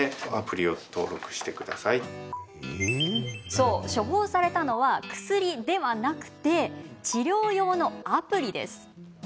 そう、処方されたのは薬ではなくて治療用のアプリ。